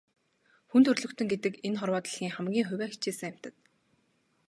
Хүн төрөлхтөн гэдэг энэ хорвоо дэлхийн хамгийн хувиа хичээсэн амьтад.